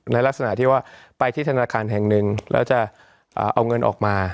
ลักษณะที่ว่าไปที่ธนาคารแห่งหนึ่งแล้วจะเอาเงินออกมา